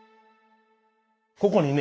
ここにね